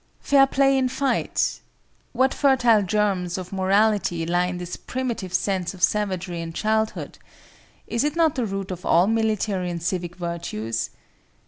Fair play in fight! What fertile germs of morality lie in this primitive sense of savagery and childhood. Is it not the root of all military and civic virtues?